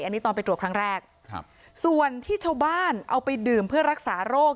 อันนี้ตอนไปตรวจครั้งแรกครับส่วนที่ชาวบ้านเอาไปดื่มเพื่อรักษาโรค